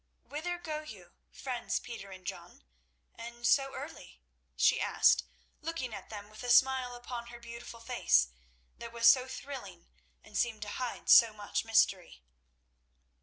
"Whither go you, friends Peter and John, and so early?" she asked, looking at them with a smile upon her beautiful face that was so thrilling and seemed to hide so much mystery.